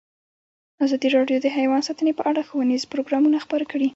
ازادي راډیو د حیوان ساتنه په اړه ښوونیز پروګرامونه خپاره کړي.